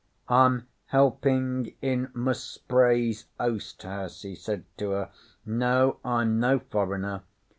'I'm helping in Mus' Spray's oast house,' he said to her. 'No, I'm no foreigner.